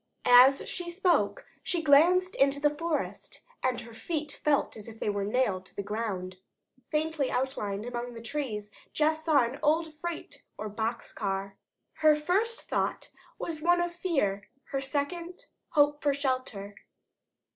As she spoke she glanced into the forest, and her feet felt as if they were nailed to the ground. She could not stir. Faintly outlined among the trees, Jess saw an old freight or box car. Her first thought was one of fear; her second, hope for shelter.